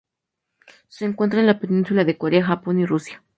Se encuentra en la Península de Corea, Japón y Rusia.